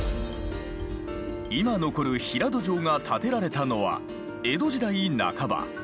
今残る平戸城が建てられたのは江戸時代半ば。